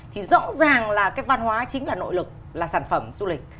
thì rõ ràng là cái văn hóa chính là nội lực là sản phẩm du lịch